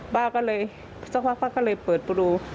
ป้าก็เลยสักพักป้าก็เลยเปิดประตู